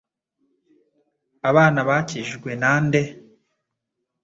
Abana bakijijwe na nde?